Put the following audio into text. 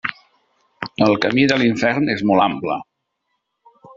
El camí de l'infern és molt ample.